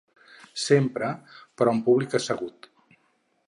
Sempre, però, amb el públic assegut.